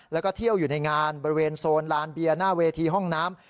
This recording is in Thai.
แล้วก็เที่ยวอยู่ในงานบริเวณโซนลานเบียร์หน้าเวทีห้องน้ำ